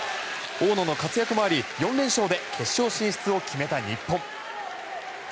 大野の活躍もあり４連勝で決勝進出を決めた日本。